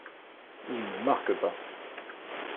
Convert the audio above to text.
Il ne marque pas.